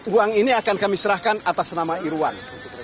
uang ini akan kami serahkan atas nama irwan